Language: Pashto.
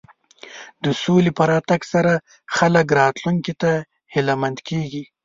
د سولې په راتګ سره خلک راتلونکي ته هیله مند کېږي.